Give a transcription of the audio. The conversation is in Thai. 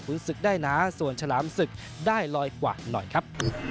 ศึกได้นะส่วนฉลามศึกได้ลอยกว่าหน่อยครับ